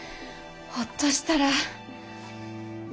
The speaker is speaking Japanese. ほっとしたら。